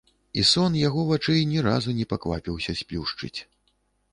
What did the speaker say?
І сон яго вачэй ні разу не паквапіўся сплюшчыць.